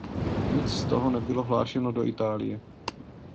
Nic z toho nebylo hlášeno do Itálie.